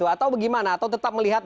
atau bagaimana atau tetap melihat